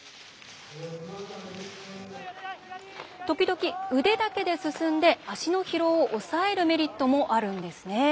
ときどき、腕だけで進んで足の疲労を抑えるメリットもあるんですね。